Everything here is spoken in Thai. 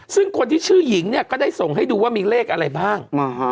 ซึ่งคนที่ชื่อหญิงเนี่ยก็ได้ส่งให้ดูว่ามีเลขอะไรบ้าง